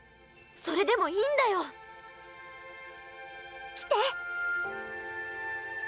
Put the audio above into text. それでもいいんだよ。来て！